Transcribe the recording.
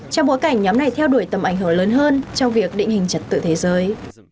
trong bối cảnh nhóm này theo đuổi tầm ảnh hưởng lớn hơn trong việc định hình trật tự thế giới